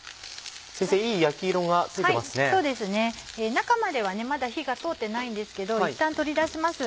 中まではまだ火が通ってないんですけどいったん取り出します。